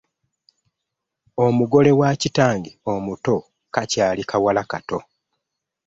Omugole wa kitange omuto kakyali kawala kato.